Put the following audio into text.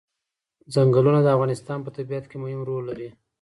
ځنګلونه د افغانستان په طبیعت کې مهم رول لري.